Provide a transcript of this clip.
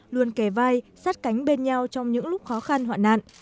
luôn kề vai sát cánh bên nhau trong những lúc khó khăn hoạn nạn